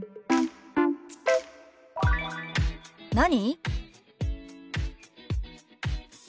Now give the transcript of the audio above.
「何？」。